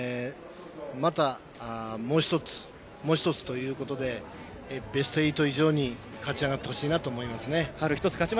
またもう一つ、もう一つということでベスト８以上に勝ち上がってほしいなと思います。